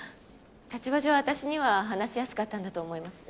立場上私には話しやすかったんだと思います。